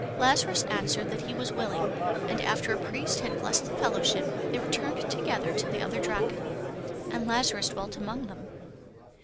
Lazarus answered that he was willing, and after a priest had blessed the fellowship, they returned together to the other Draken, and Lazarus dwelt among them.